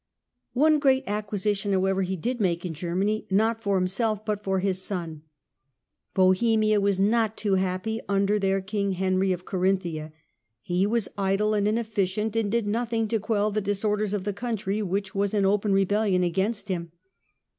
One great acquisition, however, he did make in Ger many, not for himself but for his son. Bohemia was very far from happy under King Henry of Carinthia. He was idle and inefficient and did no thing to quell the disorders of the country, which was in open rebellion against him.